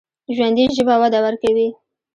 ژوندي ژبه وده ورکوي